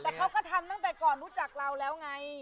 แต่เขาก็ทำตั้งแต่ก่อนรู้จักเราแล้วไง